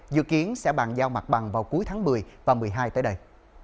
dự kiến sẽ bàn giao mặt bằng vào cuối tháng một mươi và một mươi hai tới đây